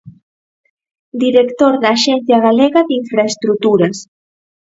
Director da Axencia Galega de Infraestruturas.